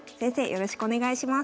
よろしくお願いします。